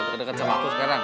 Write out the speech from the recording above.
deket deket sama aku sekarang